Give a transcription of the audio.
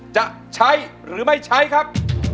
จะใช้หรือไม่ใช้ครับ